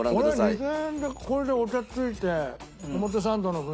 ２０００円でこれでお茶付いて表参道の雰囲気でね